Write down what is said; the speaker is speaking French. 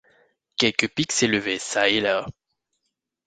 Quelques pics s’élevaient çà et là.